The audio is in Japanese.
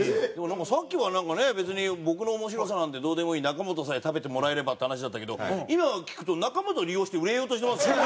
でもさっきはなんかね「別に僕の面白さなんてどうでもいい」「中本さえ食べてもらえれば」って話だったけど今聞くと中本利用して売れようとしてますよね。